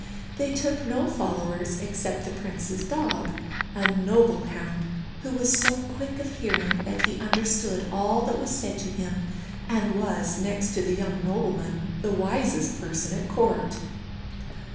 They took no followers, except the prince's dog, a noble hound, who was so quick of hearing that he understood all that was said to him, and was, next to the young nobleman, the wisest person at court.